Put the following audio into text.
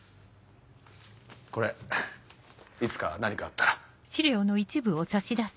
これいつか何かあったら。